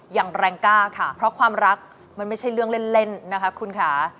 อย่างแรงกล้าค่ะเพราะความรักมันไม่ใช่เรื่องเล่นนะคะคุณค่ะ